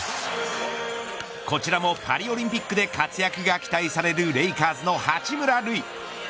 こちらもパリオリンピックで活躍が期待されるレイカーズの八村塁。